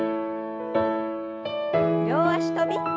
両脚跳び。